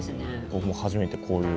僕も初めてこういう。